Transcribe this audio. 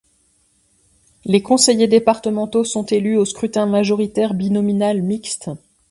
Les conseillers départementaux sont élus au scrutin majoritaire binominal mixte.